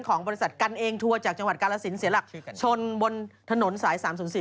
ของบริษัทกันเองทัวร์จากจังหวัดกาลสินเสียหลักชนบนถนนสาย๓๐๔